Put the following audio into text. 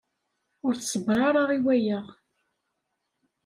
Ur tṣebber ara i waya.